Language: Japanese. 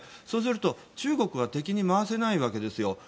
そうすると中国は敵に回せないわけです。